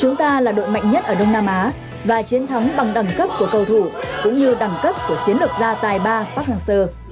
chúng ta là đội mạnh nhất ở đông nam á và chiến thắng bằng đẳng cấp của cầu thủ cũng như đẳng cấp của chiến lược gia tài ba fak hang seo